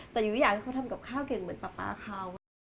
แต่อยู่อย่างที่เขาทำกับข้าวเก่งเหมือนป๊าเขา